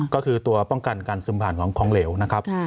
ก็คือตัวป้องกันการซึมผ่านของเหลวนะครับ